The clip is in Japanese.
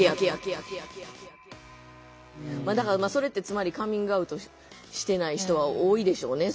だからそれってつまりカミングアウトしてない人は多いでしょうね。